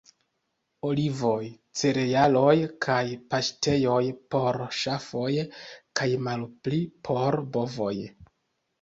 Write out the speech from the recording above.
Olivoj, cerealoj kaj paŝtejoj por ŝafoj kaj malpli por bovoj.